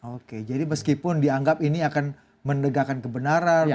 oke jadi meskipun dianggap ini akan menegakkan kebenaran